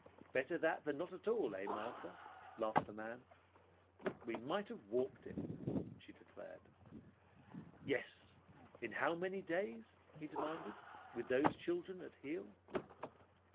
"Better that than not at all, eh, Martha?" laughed the man. "We might have walked it," she declared. "Yes. In how many days," he demanded, "with those children at heel?"